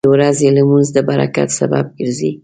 • د ورځې لمونځ د برکت سبب ګرځي.